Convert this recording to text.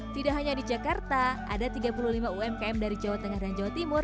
tidak hanya di jakarta ada tiga puluh lima umkm dari jawa tengah dan jawa timur